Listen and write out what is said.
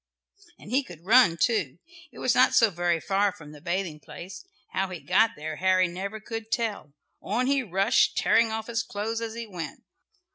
And he could run too. It was not so very far from the bathing place. How he got there Harry never could tell. On he rushed, tearing off his clothes as he went.